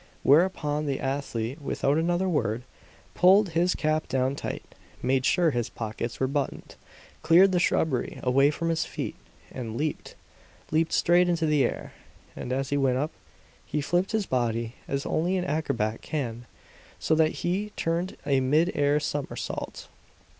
Whereupon the athlete, without another word, pulled his cap down tight, made sure his pockets were buttoned, cleared the shrubbery away from his feet and leaped! Leaped straight into the air, and as he went up, he flipped his body as only an acrobat can, so that he turned a mid air somersault.